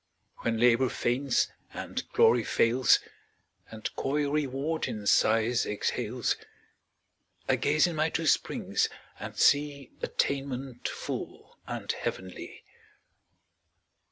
When Labor faints, and Glory fails, And coy Reward in sighs exhales, I gaze in my two springs and see Attainment full and heavenly.